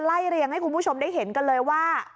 เรียงให้คุณผู้ชมได้เห็นกันเลยว่า